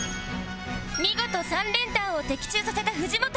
見事３連単を的中させた藤本